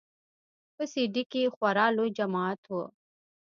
په سي ډي کښې خورا لوى جماعت و.